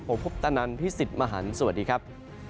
ผมพุทธนันพี่สิทธิ์มหันฯสวัสดีครับ